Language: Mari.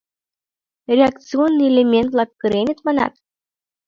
Реакционный элемент-влак кыреныт, манат?